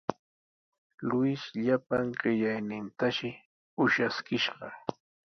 Luis llapan qellaynintashi ushaskishqa.